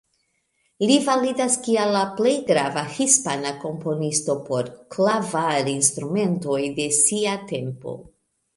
Li validas kiel la plej grava Hispana komponisto por klavarinstrumentoj de sia tempo.